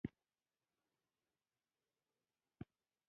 اسلام اباد د خپلې تښتېدلې عورتې په غم اخته دی.